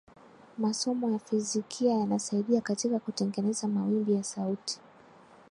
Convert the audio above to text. masomo ya fizikia yanasaidia katika kutengeneza mawimbi ya sauti